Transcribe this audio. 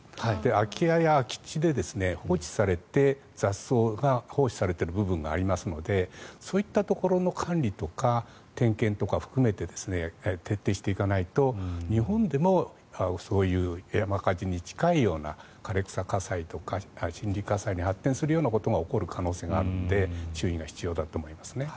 空き家や空き地で放置されて雑草が放置されている部分がありますのでそういったところの管理とか点検とかを含めて徹底していかないと日本でもそういう山火事に近いような枯れ草火災とか森林火災に発展するようなことが起きる可能性があって注意が必要だと思いますね。